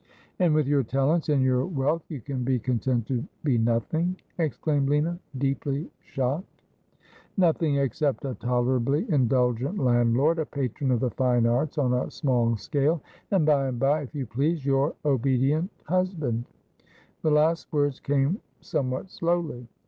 ' And with your talents and your wealth you can be content to be nothing ?' exclaimed Lina, deeply shocked. 316 Asphodel. ' Nothing, except a tolerably indulgent landlord, a patron of the fine arts, on a small scale, and by and by, if you please — your — obedient — husband.' The last words came somewhat slowly.